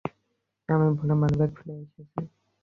আমি ভুলে মানিব্যাগ ফেলে এসেছি।